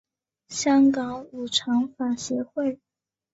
香港五常法协会